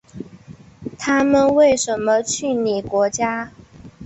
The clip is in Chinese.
他们为什么去你国家？